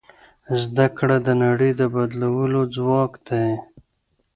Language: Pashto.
زده کړه د نړۍ د بدلولو ځواک دی.